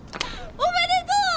おめでとう！